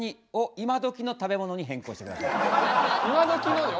今どきのよ。